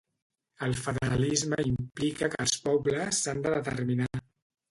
El federalisme implica que els pobles s’han de determinar.